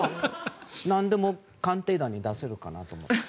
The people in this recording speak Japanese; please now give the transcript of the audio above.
「なんでも鑑定団」に出せるかなって。